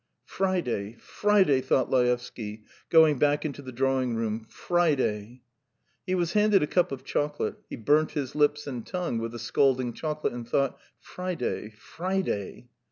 "Friday ... Friday," thought Laevsky, going back into the drawing room. "Friday. ..." He was handed a cup of chocolate; he burnt his lips and tongue with the scalding chocolate and thought: "Friday ... Friday.